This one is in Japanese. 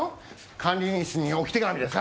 管理人室に置き手紙でさ。